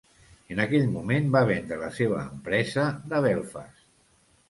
En aquell moment va vendre la seva empresa de Belfast.